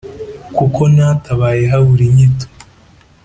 Kuko ntatabaye habura inyito